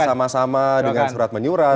sama sama dengan surat menyurat